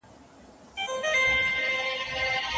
د ځيني خلکو غصه ژر سړيږي.